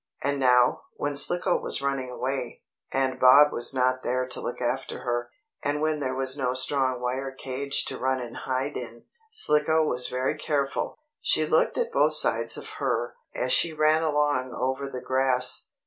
And now, when Slicko was running away, and Bob was not there to look after her, and when there was no strong wire cage to run and hide in, Slicko was very careful. She looked on both sides of her, as she ran along over the grass.